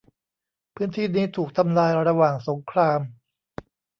พื้นที่นี้ถูกทำลายระหว่างสงคราม